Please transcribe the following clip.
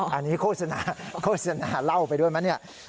อันนี้โฆษณาโฆษณาเล่าไปด้วยไหมเนี่ย